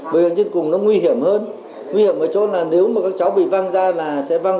bởi vì trên cùng nó nguy hiểm hơn nguy hiểm ở chỗ là nếu mà các cháu bị văng ra là sẽ văng